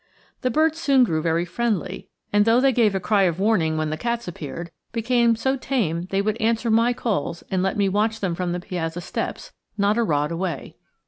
The birds soon grew very friendly, and, though they gave a cry of warning when the cats appeared, became so tame they would answer my calls and let me watch them from the piazza steps, not a rod away.